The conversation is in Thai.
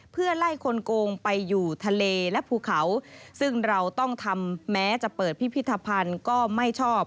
เพื่อไล่คนโกงไปอยู่ทะเลและภูเขาซึ่งเราต้องทำแม้จะเปิดพิพิธภัณฑ์ก็ไม่ชอบ